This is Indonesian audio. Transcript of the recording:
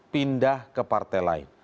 pindah ke partai lain